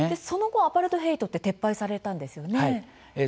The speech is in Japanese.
その後、アパルトヘイトは撤廃されたんですよね。